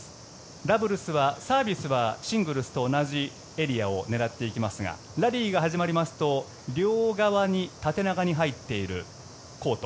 ダブルスは、サービスはシングルスと同じエリアを狙っていきますがラリーが始まりますと両側に縦長に入っているコート。